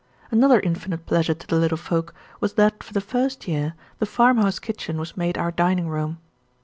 Another infinite pleasure to the little folk was that for the first year, the farm house kitchen was made our dining room.